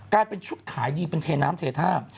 กลายเป็นชุดขายดีเป็นเทน้ำเททา